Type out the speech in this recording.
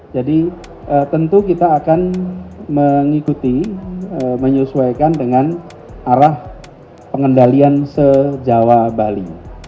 jadi tentu kita akan mengikuti menyesuaikan dengan arah pengendalian se jawa bali